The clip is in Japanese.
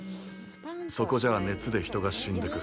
そこじゃ、熱で人が死んでく。